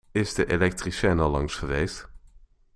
Is de elektricien al lang geweest?